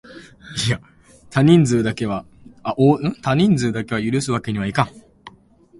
多人数だけは許すわけにはいかん！